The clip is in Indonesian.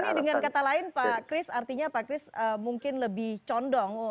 ini dengan kata lain pak kris artinya pak kris mungkin lebih condong